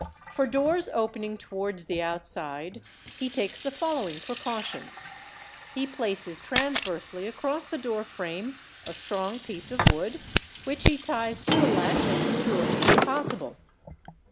For doors opening towards the outside he takes the following precautions :—he places transversely across 'th door frame a strong piece of wood which he ties to the latch as securely as possible.